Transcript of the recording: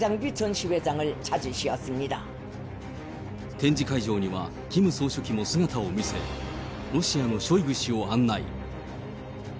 展示会場にはキム総書記も姿を見せ、ロシアのショイグ氏を案内。